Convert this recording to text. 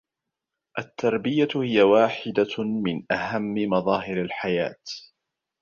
التربية هي واحد من أهم مظاهر الحياة.